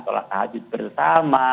tolak hajut bersama